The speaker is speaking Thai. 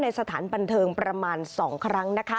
สถานบันเทิงประมาณ๒ครั้งนะคะ